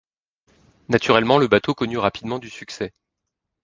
Naturellement le bateau connût rapidement du succès.